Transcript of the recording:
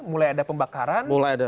mulai ada pembakaran